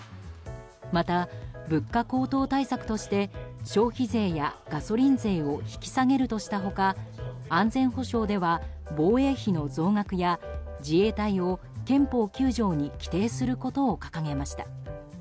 また、物価高騰対策として消費税やガソリン税を引き下げるとした他安全保障では防衛費の増額や自衛隊を憲法９条に規定することを掲げました。